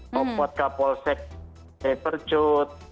membuat kapolsek percut